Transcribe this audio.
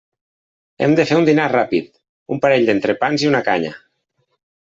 Hem fet un dinar ràpid; un parell d'entrepans i una canya.